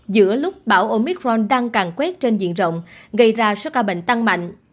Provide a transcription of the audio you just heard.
giữa lúc bão omicron đang càng quét trên diện rộng gây ra số ca bệnh tăng mạnh